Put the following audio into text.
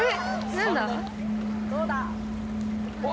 何だ？